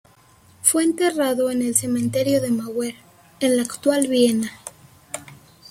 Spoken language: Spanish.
Fue enterrado en el Cementerio de Mauer, en la actual Viena.